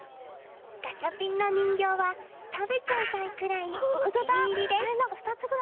ガチャピンの人形は食べちゃいたいくらいお気に入りです。